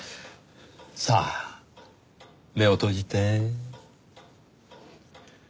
さあ目を閉じて。